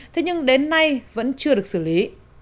thế nhưng đến nay vẫn chưa được xử lý